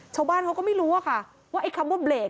ชาวบ้านเขาก็ไม่รู้อะค่ะว่าไอ้คำว่าเบรก